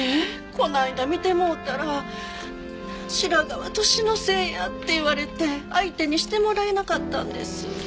この間診てもろたら白髪は年のせいやって言われて相手にしてもらえなかったんですよ。